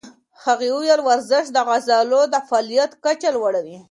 هغې وویل ورزش د عضلو د فعالیت کچه لوړوي.